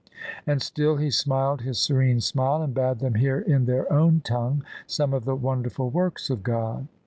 And still he smiled his serene smile, and bade them hear in their own tongue some of the wonderful works of God.